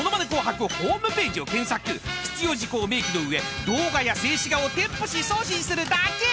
［必要事項を明記の上動画や静止画を添付し送信するだけ］